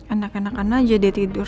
anak anak anak aja dia tidur